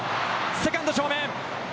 セカンド正面。